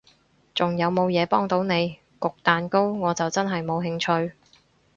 仲有無嘢幫到你？焗蛋糕我就真係冇興趣